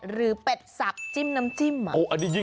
ส่วนเมนูที่ว่าคืออะไรติดตามในช่วงตลอดกิน